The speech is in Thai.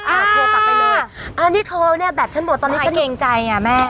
อ่าโทรกลับไปเลยอ่านี่โทรเนี้ยแบบชั้นหมดตอนนี้ใครเกรงใจอ่ะแม่